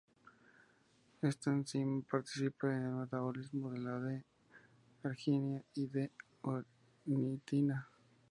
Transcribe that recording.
Esta enzima participa en el metabolismo de la D-arginina y la D-ornitina.